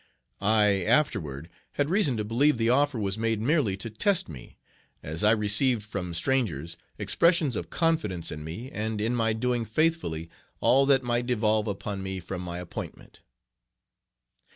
I afterward had reason to believe the offer was made merely to test me, as I received from strangers expressions of confidence in me and in my doing faithfully all that might devolve upon me from my appointment.